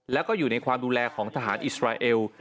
แล้วก็อยู่ในความดูแลของทหารอิสราเอล